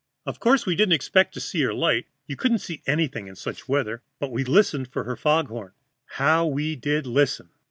Of course we didn't expect to see her light you couldn't see anything in such weather but we listened for her fog horn. How we did listen!